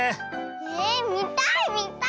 えみたいみたい！